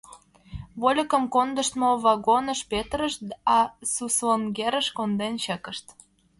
Вольыкым кондыштмо вагоныш петырышт, Суслоҥгерыш конден чыкышт.